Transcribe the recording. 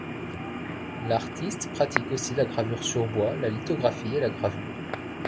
L'artiste pratique aussi la gravure sur bois, la lithographie et la gravure.